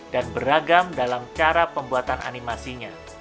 dan beragam dalam cara pembuatan animasinya